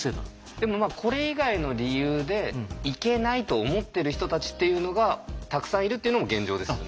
でもこれ以外の理由で行けないと思ってる人たちっていうのがたくさんいるっていうのも現状ですよね。